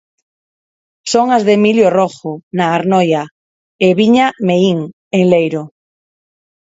Son as de Emilio Rojo, na Arnoia, e Viña Meín, en Leiro.